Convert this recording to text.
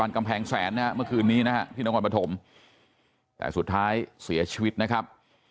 กำแพงแสนนะฮะเมื่อคืนนี้นะฮะที่นครปฐมแต่สุดท้ายเสียชีวิตนะครับ